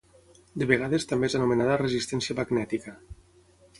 De vegades també és anomenada resistència magnètica.